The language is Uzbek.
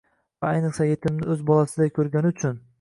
va, ayniqsa, yetimni o'z bolasiday ko'rgani uchun